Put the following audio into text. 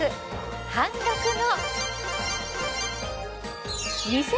半額の。